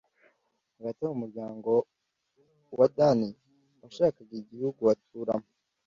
hagati aho, umuryango wa dani washakaga igihugu waturamo